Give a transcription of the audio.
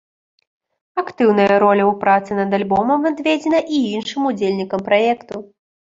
Актыўная роля ў працы над альбомам адведзена і іншым удзельнікам праекту.